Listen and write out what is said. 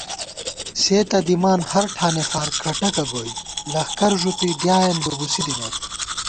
سے تہ دِمان ہر ٹھانے فار کٹَکہ گوئی، لخکر ݫُپی ڈیائېن لُبُوسی دِمېت